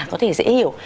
có thể dễ hiểu